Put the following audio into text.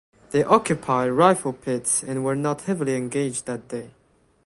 They occupied rifle pits and were not heavily engaged that day.